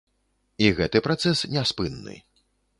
І гэты працэс няспынны.